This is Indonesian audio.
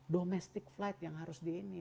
domestic flight yang harus di ini